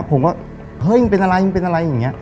ผมก็เฮ้ยมึงเป็นอะไรมึงเป็นอะไรอย่างนี้